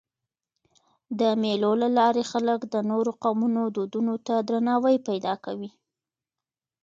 د مېلو له لاري خلک د نورو قومونو دودونو ته درناوی پیدا کوي.